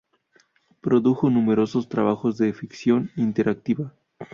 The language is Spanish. Produjo numerosos trabajos de ficción interactiva.